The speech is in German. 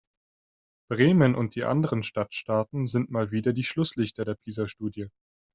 Bremen und die anderen Stadtstaaten sind mal wieder die Schlusslichter der PISA-Studie.